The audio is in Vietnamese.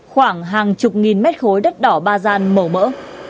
khoảng hàng chục nghìn mét khối đất đỏ ba gian màu mỡ